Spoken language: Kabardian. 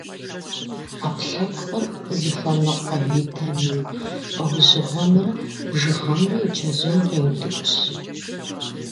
Ӏэпкълъэпкъыр зыхуэныкъуэ витамин лӏэужьыгъуэмрэ бжыгъэмрэ и чэзум къеутӏыпщ.